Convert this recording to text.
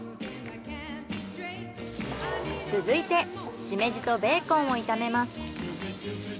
続いてシメジとベーコンを炒めます。